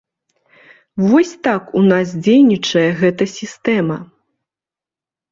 Вось так у нас дзейнічае гэта сістэма.